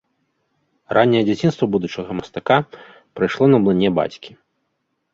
Ранняе дзяцінства будучага мастака прайшло на млыне бацькі.